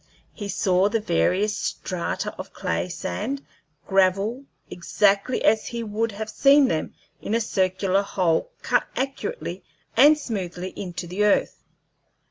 He saw the various strata of clay, sand, gravel, exactly as he would have seen them in a circular hole cut accurately and smoothly into the earth.